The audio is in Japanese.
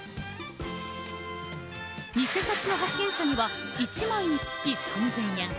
偽札の発見者には１枚につき３０００円。